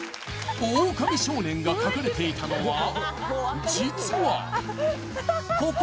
オオカミ少年が隠れていたのは実はここ！